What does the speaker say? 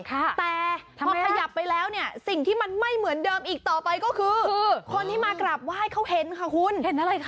แต่พอขยับไปแล้วเนี่ยสิ่งที่มันไม่เหมือนเดิมอีกต่อไปก็คือคนที่มากราบไหว้เขาเห็นค่ะคุณเห็นอะไรคะ